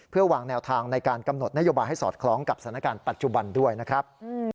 เพื่อวางแนวทางในการกำหนดนโยบายให้สอดคล้องกับสถานการณ์ปัจจุบันด้วยนะครับ